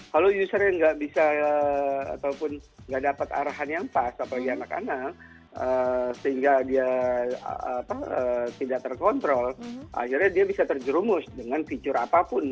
kalau usernya nggak bisa ataupun nggak dapat arahan yang pas apalagi anak anak sehingga dia tidak terkontrol akhirnya dia bisa terjerumus dengan fitur apapun